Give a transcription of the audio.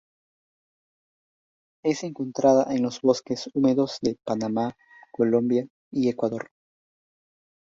Es encontrada en los bosques húmedos de Panamá, Colombia y Ecuador.